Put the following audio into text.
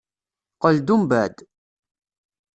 Qqel-d umbeεd.